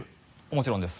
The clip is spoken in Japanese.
もちろんです。